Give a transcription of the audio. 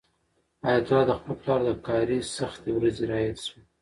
حیات الله ته د خپل پلار د کاري سختۍ ورځې رایادې شوې.